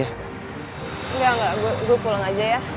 engga engga gue pulang aja ya